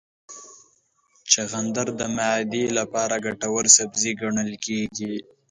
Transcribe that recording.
چغندر د معدې لپاره ګټور سبزی ګڼل کېږي.